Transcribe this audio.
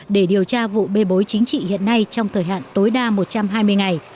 để điều tra vụ bê bối chính trị hiện nay trong thời hạn tối đa một trăm hai mươi ngày